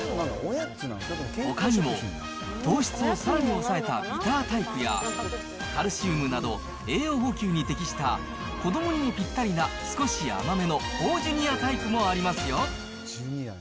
ほかにも、糖質をさらに抑えたビタータイプや、カルシウムなど、栄養補給に適した、子どもにもぴったりな少し甘めのＦＯＲジュニアタイプもありますよ。